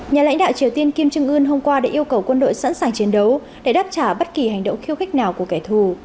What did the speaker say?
nhà lãnh đạo triều tiên kim trương ươn hôm qua đã yêu cầu quân đội sẵn sàng chiến đấu để đáp trả bất kỳ hành động khiêu khích nào của kẻ thù